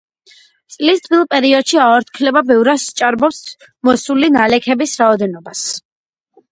წლის თბილ პერიოდში აორთქლება ბევრად სჭარბობს მოსული ნალექების რაოდენობას.